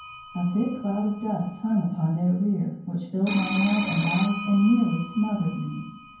A thick cloud of dust hung upon their rear, which filled my mouth and eyes and nearly smothered me.